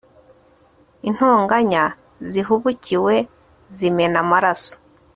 intonganya zihubukiwe zimena amaraso